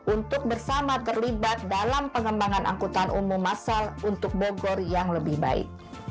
untuk bersama terlibat dalam pengembangan angkutan umum masal untuk bogor yang lebih baik